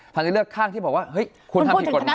เราจะเลือกข้างที่บอกว่าเฮ้ยคุณทำผิดกฎหมาย